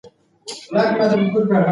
د بادامو خوړل د حافظې لپاره ښه دي.